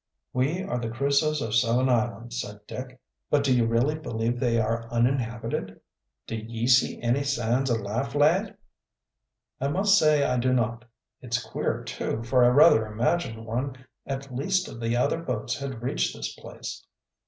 "We are the Crusoes of Seven Islands," said Dick. "But do you really believe they are uninhabited?" "Do ye see any signs of life, lad?" "I must say I do not. It's queer, too, for I rather imagined one at least of the other boats had reached this place."